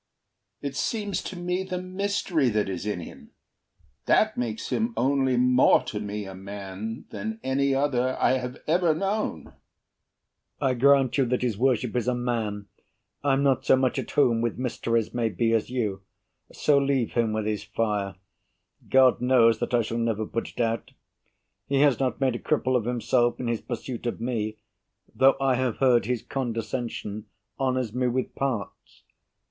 It seems to me the mystery that is in him That makes him only more to me a man Than any other I have ever known. BURR I grant you that his worship is a man. I'm not so much at home with mysteries, May be, as you so leave him with his fire: God knows that I shall never put it out. He has not made a cripple of himself In his pursuit of me, though I have heard His condescension honors me with parts.